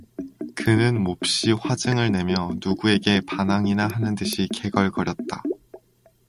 그는 몹시 화증을 내며 누구에게 반항이나 하는 듯이 게걸거렸다.